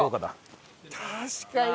確かに！